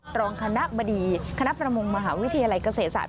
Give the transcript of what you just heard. รองคณะบดีคณะประมงมหาวิทยาลัยเกษตรศาสต